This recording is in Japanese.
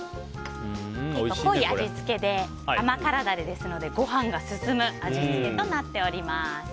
濃い味付けで甘辛ダレですのでご飯が進む味付けとなっております。